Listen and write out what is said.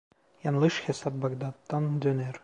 Yanlış hesap Bağdat'tan döner.